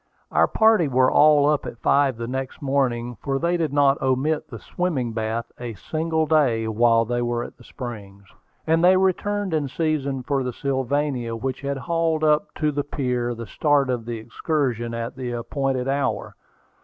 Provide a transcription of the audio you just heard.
Our party were all up at five the next morning, for they did not omit the swimming bath a single day while they were at the Springs; and they returned in season for the Sylvania, which had hauled up to the pier to start on the excursion at the appointed hour.